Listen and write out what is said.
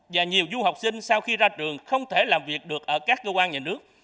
và nhiều du học sinh sau khi ra trường không thể làm việc được ở các cơ quan nhà nước